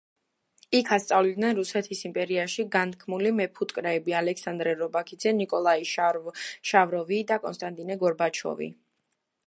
იქ ასწავლიდნენ რუსეთის იმპერიაში განთქმული მეფუტკრეები: ალექსანდრე რობაქიძე, ნიკოლაი შავროვი და კონსტანტინე გორბაჩოვი.